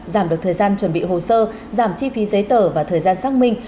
giảm được thời gian chuẩn bị hồ sơ giảm chi phí giấy tờ và thời gian xác minh